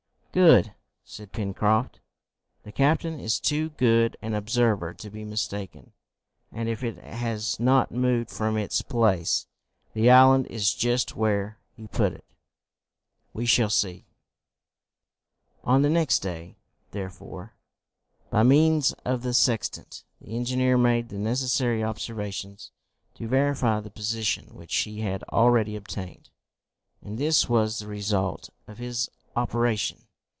"Good!" said Pencroft. "The captain is too good an observer to be mistaken, and, if it has not moved from its place, the island is just where he put it." "We shall see." [Illustration: THE VERANDAH ON THE EDGE OF PROSPECT HEIGHTS] On the next day, therefore, by means of the sextant, the engineer made the necessary observations to verify the position which he had already obtained, and this was the result of his operation.